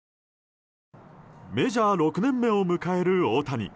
メジャー６年目を迎える大谷。